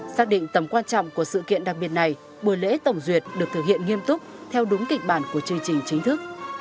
xác định tầm quan trọng của sự kiện đặc biệt này buổi lễ tổng duyệt được thực hiện nghiêm túc theo đúng kịch bản của chương trình chính thức